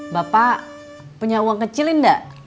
bapak punya uang kecil indah